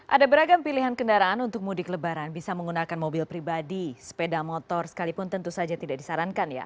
ada beragam pilihan kendaraan untuk mudik lebaran bisa menggunakan mobil pribadi sepeda motor sekalipun tentu saja tidak disarankan ya